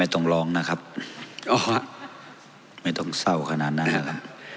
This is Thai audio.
ต้องร้องนะครับอ๋อไม่ต้องเศร้าขนาดนั้นล่ะ